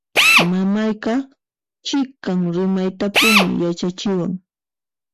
Mamayqa chiqan rimaytapuni yachachiwan.